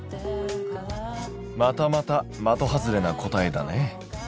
またまた的外れな答えだね。